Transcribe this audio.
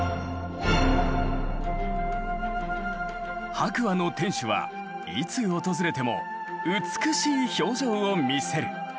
白亜の天守はいつ訪れても美しい表情を見せる。